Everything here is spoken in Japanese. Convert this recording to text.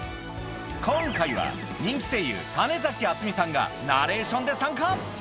今回は人気声優種敦美さんがナレーションで参加